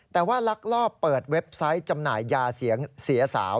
แต่ว่าลักลอบเปิดเว็บไซต์จำหน่ายยาเสียสาว